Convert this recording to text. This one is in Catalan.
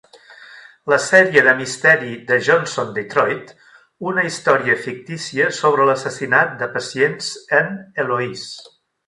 La sèrie de misteri de Johnson Detroit, una història fictícia sobre l'assassinat de pacients en Eloise.